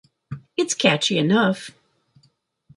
It's catchy enough.